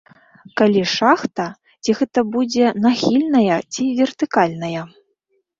Калі шахта, ці гэта будзе нахільная, ці вертыкальная.